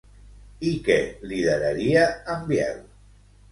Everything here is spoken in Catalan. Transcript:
I què lideraria en Biel?